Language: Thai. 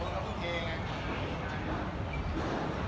อันที่สุดท้ายก็คือภาษาอันที่สุดท้าย